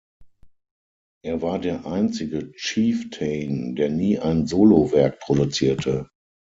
Er war der einzige Chieftain, der nie ein Solowerk produzierte.